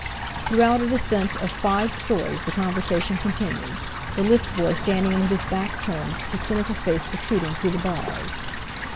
Throughout a descent of five stories the conversation continued, the lift boy standing with his back turned, his cynical face protruding through the bars.